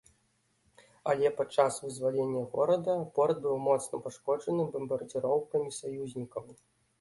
Але пад час вызвалення горада, порт быў моцна пашкоджаны бамбардзіроўкамі саюзнікаў.